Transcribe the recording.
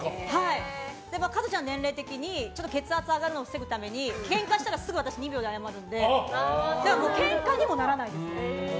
加トちゃん、年齢的に血圧上がるのを防ぐためにケンカしたらすぐ私、２秒で謝るのでケンカにもならないです。